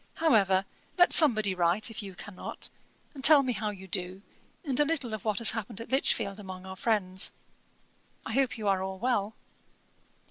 However, let somebody write, if you cannot, and tell me how you do, and a little of what has happened at Lichfield among our friends. I hope you are all well.